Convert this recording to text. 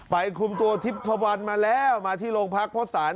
ไปคุมตัวทิพย์วันมาแล้วมาที่โลงพักษ์โภษศาล